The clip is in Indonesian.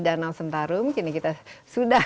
danau sentarum kini kita sudah